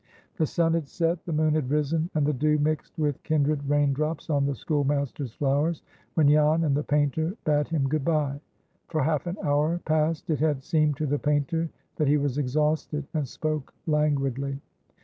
The sun had set, the moon had risen, and the dew mixed with kindred rain drops on the schoolmaster's flowers, when Jan and the painter bade him good by. For half an hour past it had seemed to the painter that he was exhausted, and spoke languidly.